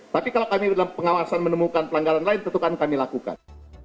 tapi kalau kami dalam pengawasan menemukan pelanggaran lain tentu akan kami lakukan